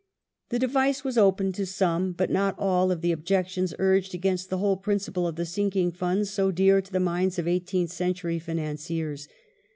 The device was open to some, but not all of the objections urged against the whole principle of the sinking funds so dear to the minds of eighteenth century financiers.